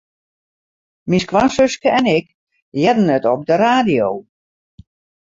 Myn skoansuske en ik hearden it op de radio.